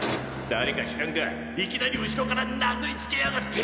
誰か知らんがいきなり後ろから殴りつけやがって。